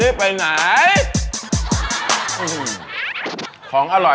แต้ว่าจะเรียกเป็นอย่างน้อย